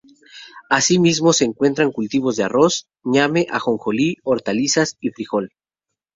Así mismo se encuentran cultivos de arroz, ñame, ajonjolí, hortalizas y fríjol.